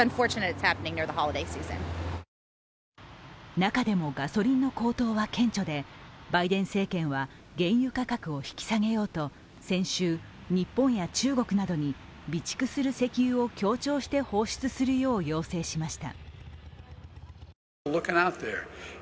中でもガソリンの高騰は顕著で、バイデン政権は原油価格を引き下げようと先週、日本や中国などに備蓄する石油を協調して放出するよう要請しました。